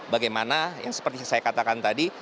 bagaimana yang seperti saya katakan tadi